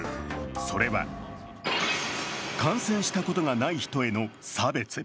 それは感染したことがない人への差別。